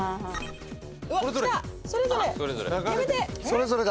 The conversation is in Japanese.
それぞれ。